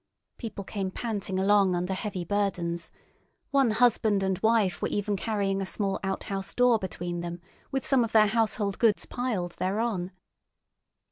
People came panting along under heavy burdens; one husband and wife were even carrying a small outhouse door between them, with some of their household goods piled thereon.